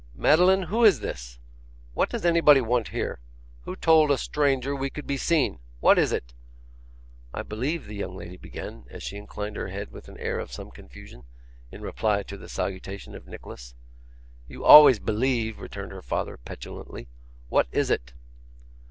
'Madeline, who is this? What does anybody want here? Who told a stranger we could be seen? What is it?' 'I believe ' the young lady began, as she inclined her head with an air of some confusion, in reply to the salutation of Nicholas. 'You always believe,' returned her father, petulantly. 'What is it?